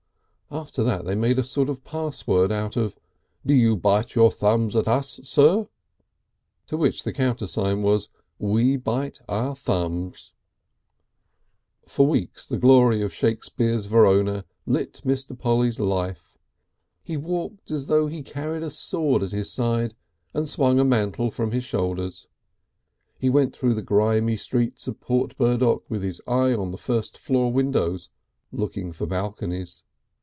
After that they made a sort of password of: "Do you bite your thumbs at Us, Sir?" To which the countersign was: "We bite our thumbs." For weeks the glory of Shakespeare's Verona lit Mr. Polly's life. He walked as though he carried a sword at his side, and swung a mantle from his shoulders. He went through the grimy streets of Port Burdock with his eye on the first floor windows looking for balconies.